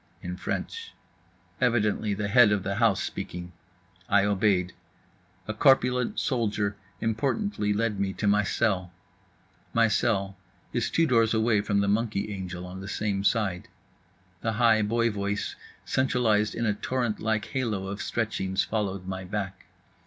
In French. Evidently the head of the house speaking. I obeyed. A corpulent soldier importantly lead me to my cell. My cell is two doors away from the monkey angel, on the same side. The high boy voice, centralized in a torrent like halo of stretchings, followed my back.